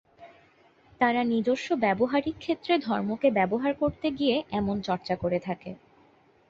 তারা নিজস্ব ব্যবহারিক ক্ষেত্রে ধর্ম কে ব্যবহার করতে গিয়ে এমন চর্চা করে থাকে।